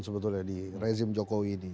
sebetulnya di rezim jokowi